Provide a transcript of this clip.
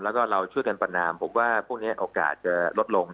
แล้วก็เราช่วยกันประนามผมว่าพวกนี้โอกาสจะลดลง